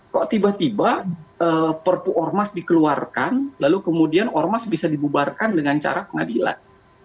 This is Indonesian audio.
kok tiba tiba perpu ormas dikeluarkan lalu kemudian ormas bisa dibubarkan dengan cara pengadilan